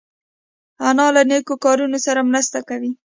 انا له نیکو کارونو سره مرسته کوي